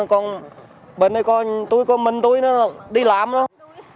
còn bên đây có mình tôi đi làm nữa